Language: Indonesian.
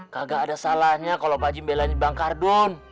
gak ada salahnya kalau pak haji belain bang kardun